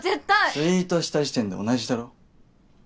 ツイートした時点で同じだろ。